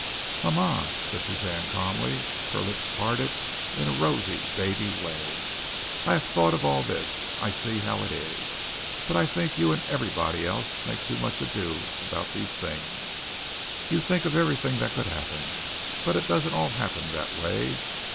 "Mama," said Suzanne calmly, her lips parted in a rosy, baby way, "I have thought of all this. I see how it is. But I think you and everybody else make too much ado about these things. You think of everything that could happen, but it doesn't all happen that way.